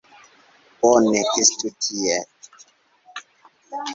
Bone, estu tiel.